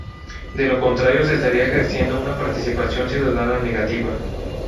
De lo contrario se estaría ejerciendo una participación ciudadana negativa.